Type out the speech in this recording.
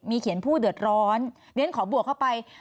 เขียนผู้เดือดร้อนเรียนขอบวกเข้าไป